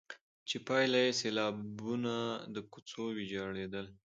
چي پايله يې سيلابونه، د کوڅو ويجاړېدل،